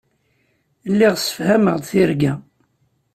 Lliɣ ssefhameɣ-d tirga.